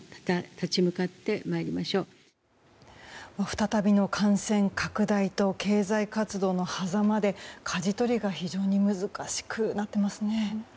再びの感染拡大と経済活動のはざまでかじ取りが非常に難しくなっていますね。